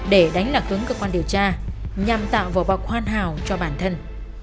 để đánh lạc cứng cơ quan điều tra nhằm tạo vỏ bọc hoàn hảo cho bản thân